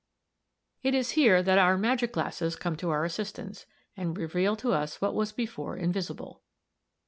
] "It is here that our 'magic glasses' come to our assistance, and reveal to us what was before invisible.